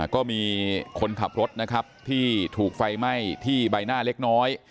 ก็มีคนขับรถนะครับที่ถูกไฟไหม้ที่ใบหน้าเล็กน้อย